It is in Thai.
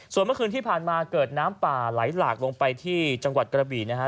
ส่วนเมื่อคืนที่ผ่านมาเกิดน้ำป่าไหลหลากลงไปที่จังหวัดกระบี่นะฮะ